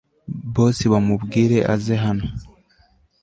boss bamubwire aze hano